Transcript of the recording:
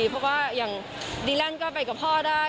เพราะว่าอย่างดีแลนด์ก็ไปกับพ่อได้